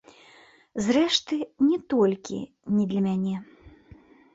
Зрэшты, не толькі не для мяне.